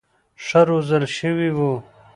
ښه روزل شوي وو.